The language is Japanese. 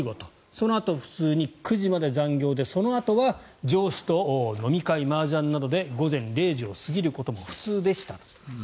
そのあと、普通に９時まで残業で上司と飲み会、マージャンなどで午前０時を過ぎることも普通でしたと。